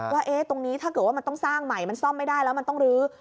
ว่าตรงนี้ถ้าเกิดว่ามันต้องสร้างใหม่มันซ่อมไม่ได้แล้วมันต้องลื้อ